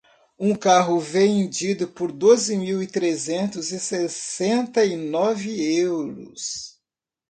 O carro vendido por doze mil trezentos e sessenta e nove euros.